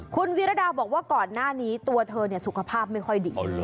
คุณวิรดาบอกว่าก่อนหน้านี้ตัวเธอสุขภาพไม่ค่อยดี